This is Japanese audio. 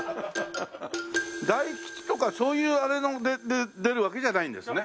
大吉とかそういうあれの出るわけじゃないんですね。